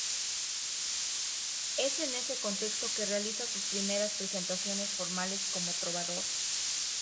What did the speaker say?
Es en ese contexto, que realiza sus primeras presentaciones formales como trovador.